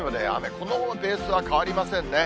このベースは変わりませんね。